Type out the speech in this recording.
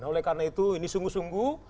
oleh karena itu ini sungguh sungguh